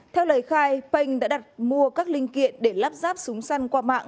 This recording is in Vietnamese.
theo lời khai pin đã đặt mua các linh kiện để lắp ráp súng săn qua mạng